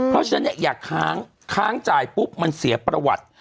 เพราะฉะนั้นเนี่ยอย่าค้างค้างจ่ายปุ๊บมันเสียประวัติ